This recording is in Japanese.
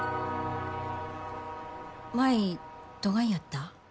舞どがんやった？